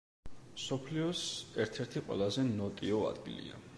მსოფლიოს ერთ-ერთი ყველაზე ნოტიო ადგილია.